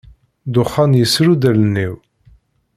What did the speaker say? Dexxan yesru-d allen-iw.